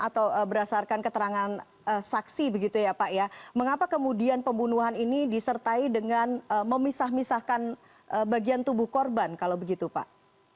atau berdasarkan keterangan saksi begitu ya pak ya mengapa kemudian pembunuhan ini disertai dengan memisah misahkan bagian tubuh korban kalau begitu pak